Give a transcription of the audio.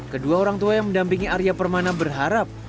kedua orang tua yang mendampingi arya permana berharap